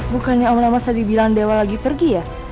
bukannya om lama tadi bilang dewa lagi pergi ya